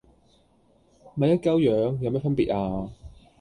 咪一鳩樣，有咩分別呀